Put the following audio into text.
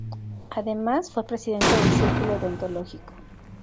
Además fue presidente del Círculo Odontológico.